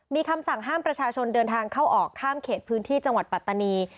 มีคำสั่งห้ามประชาชนเดินทางเข้าออกข้ามเขตพื้นที่จังหวัดปัตตานี